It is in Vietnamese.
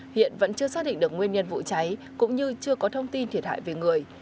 hiện vẫn chưa xác định được nguyên nhân vụ cháy cũng như chưa có thông tin thiệt hại về người